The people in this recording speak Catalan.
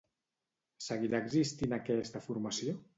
Seguirà existint aquesta formació?